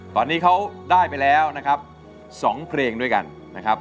ตอนนี้เขาได้ไปแล้วนะครับ๒เพลงด้วยกันนะครับ